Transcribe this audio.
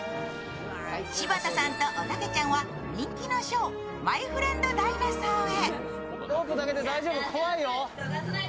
柴田さんとおたけちゃんは人気のショー、「マイ・フレンド・ダイナソー」へ。